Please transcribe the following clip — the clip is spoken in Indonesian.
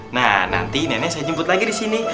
nah nanti nenek saya jemput lagi di sini